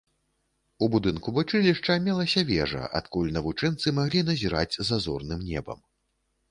У будынку вучылішча мелася вежа, адкуль навучэнцы маглі назіраць за зорным небам.